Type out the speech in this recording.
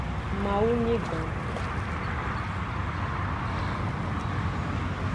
Mawu nyi gan.